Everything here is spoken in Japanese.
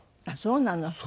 あっそうなの。